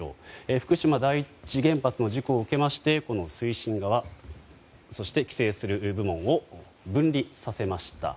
福島第一原発の事故を受けまして推進側そして、規制する部門を分離させました。